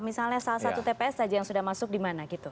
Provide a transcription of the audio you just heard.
misalnya salah satu tps saja yang sudah masuk di mana gitu